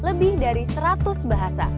lebih dari seratus bahasa